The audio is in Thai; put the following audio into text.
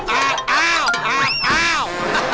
อ้าวอ้าวอ้าว